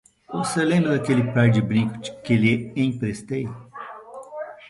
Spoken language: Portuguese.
Você lembra daquele par de brincos que lhe emprestei?